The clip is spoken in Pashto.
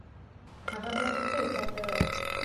هغه به چې کور ته ته.